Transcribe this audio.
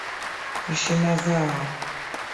Heshima zao.